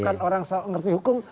bukan orang ngerti hukum